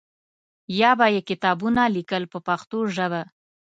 یا به یې کتابونه لیکل په پښتو ژبه.